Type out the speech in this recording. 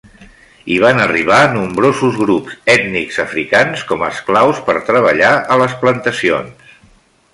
Hi van arribar nombrosos grups ètnics africans com a esclaus per treballar a les plantacions.